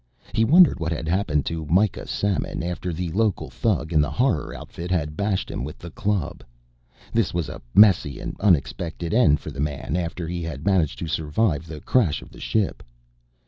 He wondered what had happened to Mikah Samon after the local thug in the horror outfit had bashed him with the club. This was a messy and unexpected end for the man after he had managed to survive the crash of the ship.